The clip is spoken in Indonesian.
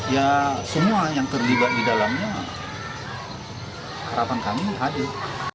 ya semua yang terlibat di dalamnya harapan kami hadir